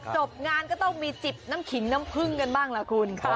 จบงานก็ต้องมีจิบน้ำขิงน้ำผึ้งกันบ้างล่ะคุณ